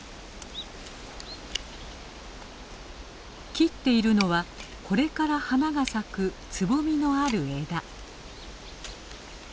切っているのはこれから花が咲くつぼみのある枝。